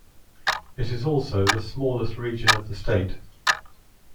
It is also the smallest region of the state.